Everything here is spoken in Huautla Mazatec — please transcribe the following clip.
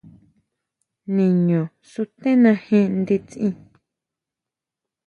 Niño suténa jin nditsin.